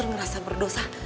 mama ngerasa berdosa